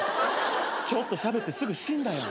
ちょっとしゃべってすぐ死んだやん。